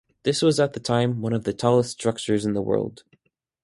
This was at the time one of the tallest structures in the world.